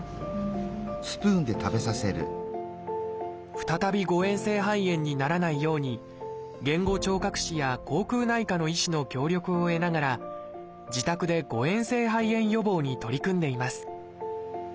再び誤えん性肺炎にならないように言語聴覚士や口腔内科の医師の協力を得ながら自宅で誤えん性肺炎予防に取り組んでいます。